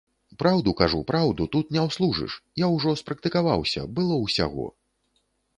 Праўду кажу, праўду, тут не ўслужыш, я ўжо спрактыкаваўся, было ўсяго.